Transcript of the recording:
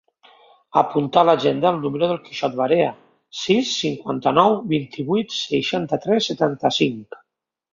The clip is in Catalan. Apunta a l'agenda el número del Quixot Varea: sis, cinquanta-nou, vint-i-vuit, seixanta-tres, setanta-cinc.